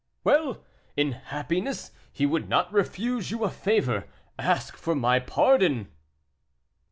"Well! in his happiness he would not refuse you a favor; ask for my pardon."